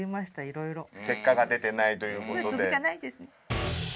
色々結果が出てないということで続かないですね